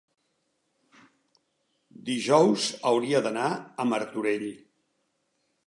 dijous hauria d'anar a Martorell.